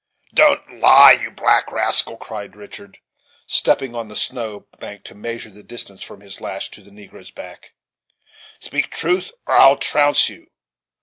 "Don't lie, you black rascal!" cried Richard, stepping on the snow bank to measure the distance from his lash to the negro's back; "speak truth, or I trounce you."